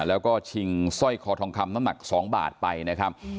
แล้วก็ชิงสร้อยคอทองคำน้ำหนัก๒บาทไปนะครับ